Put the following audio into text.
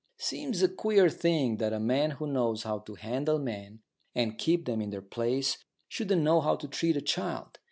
Seems a queer thing that a man who knows how to handle men and keep them in their place shouldn't know how to treat a child.